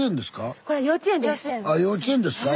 あ幼稚園ですか。